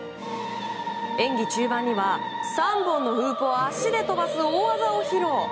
演技中盤には３本のフープを足で飛ばす大技を披露。